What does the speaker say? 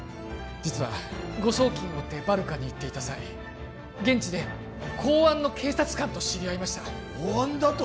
実は誤送金を追ってバルカに行っていた際現地で公安の警察官と知り合いました公安だと！？